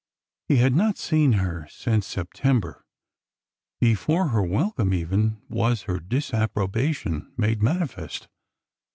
He had not seen her since September. Before her welcome, even, was her disapprobation made manifest.